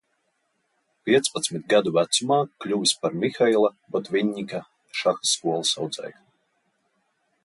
Piecpadsmit gadu vecumā kļuvis par Mihaila Botviņņika šaha skolas audzēkni.